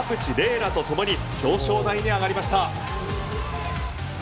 楽とともに表彰台に上がりました。